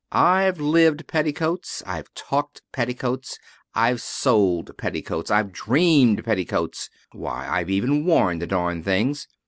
I've lived petticoats, I've talked petticoats, I've sold petticoats, I've dreamed petticoats why, I've even worn the darned things!